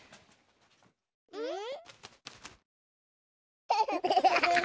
うん？